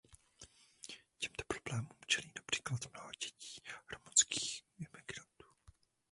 Těmto problémům čelí například mnoho dětí rumunských imigrantů.